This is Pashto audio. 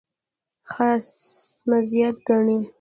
خاص مزیت ګڼي.